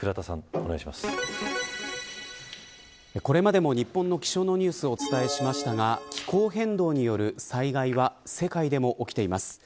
これまでも、日本の気象のニュースをお伝えしましたが気候変動による災害は世界でも起きています。